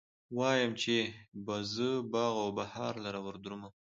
وايم، چې به زه باغ و بهار لره وردرومم